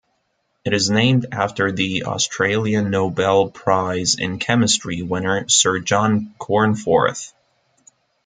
It is named after the Australian Nobel Prize in Chemistry winner, Sir John Cornforth.